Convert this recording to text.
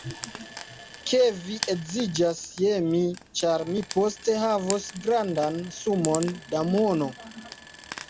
Ke vi edziĝas je mi, ĉar mi poste havos grandan sumon da mono.